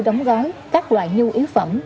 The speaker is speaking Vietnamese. đóng gói các loại nhu yếu phẩm